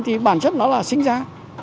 thì bản chất nó là sinh ra